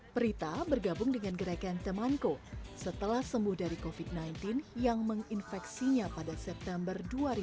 prita bergabung dengan gerakan temanko setelah sembuh dari covid sembilan belas yang menginfeksinya pada september dua ribu dua puluh